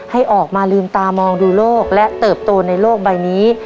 ให้ออกมาลืมตามองดูโลกและเติบโตในโลกใบนี้